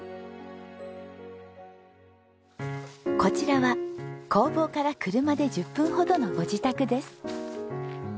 こちらは工房から車で１０分ほどのご自宅です。